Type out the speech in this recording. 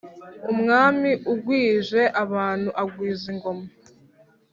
umwami ugwije abantu agwiza ingoma.